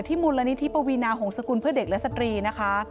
มูลนิธิปวีนาหงษกุลเพื่อเด็กและสตรีนะคะ